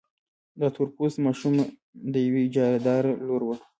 دا تور پوستې ماشومه د يوې اجارهدارې لور وه.